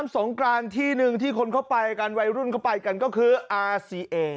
สงกรานที่หนึ่งที่คนเข้าไปกันวัยรุ่นเข้าไปกันก็คืออาซีเอ